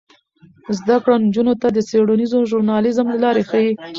زده کړه نجونو ته د څیړنیز ژورنالیزم لارې ښيي.